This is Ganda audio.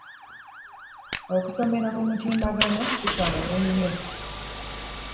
Okusomera ku mutimbagano si kwangu nnyo.